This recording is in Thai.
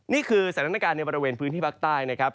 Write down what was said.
นี่คือสถานการณ์ในบริเวณพื้นที่ภาคใต้นะครับ